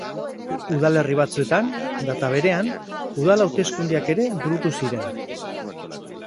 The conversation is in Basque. Udalerri batzuetan, data berean, udal hauteskundeak ere burutu ziren.